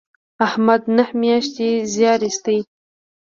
احمد نهه میاشتې زیار ایست.